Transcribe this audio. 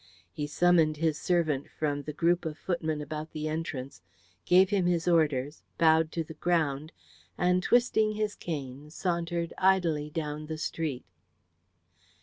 He summoned his servant from the group of footmen about the entrance, gave him his orders, bowed to the ground, and twisting his cane sauntered idly down the street.